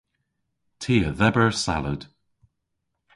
Ty a dheber salad.